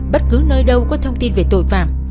bất cứ nơi đâu có thông tin về tội phạm